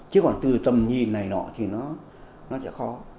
chứ còn từ tầm nhìn này nọ thì nó sẽ khó